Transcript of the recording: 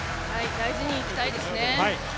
大事にいきたいですね。